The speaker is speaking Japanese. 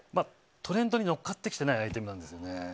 トレンドに乗っかってきていないアイテムなんですよね。